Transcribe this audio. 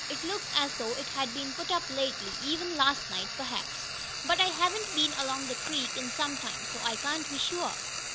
"It looks as though it had been put up lately even last night, perhaps. But I haven't been along the creek in some time, so I can't be sure."